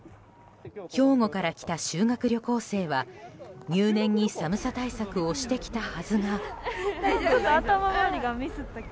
兵庫から来た修学旅行生は入念に寒さ対策をしてきたはずが。